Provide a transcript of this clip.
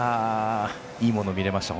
いいもの見れました。